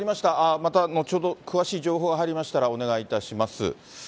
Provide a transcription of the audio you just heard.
また後ほど、詳しい情報が入りましたらお願いいたします。